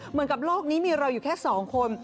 เหมือนกับโลกนี้มีเราอยู่แค่๒คน